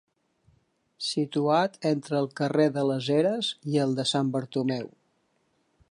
Situat entre el carrer de les Eres i el de Sant Bartomeu.